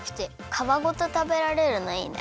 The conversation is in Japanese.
かわごとたべられるのいいね。